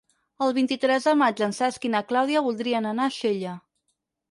El vint-i-tres de maig en Cesc i na Clàudia voldrien anar a Xella.